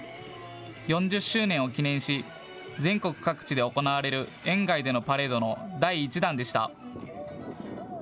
４０周年を記念し全国各地で行われる園外でのパレードの第１弾でした。